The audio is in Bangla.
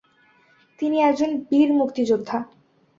তিনি একজন বীর মুক্তিযোদ্ধা।